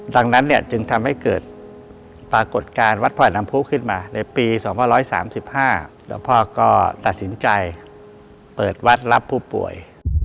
ดังนั้นเนี่ยจึงทำให้เกิดปรากฏการณ์วัดพ่อน้ำผู้ขึ้นมาในปี๒๓๕แล้วพ่อก็ตัดสินใจเปิดวัดรับผู้ป่วย